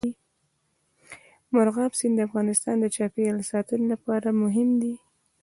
مورغاب سیند د افغانستان د چاپیریال ساتنې لپاره مهم دي.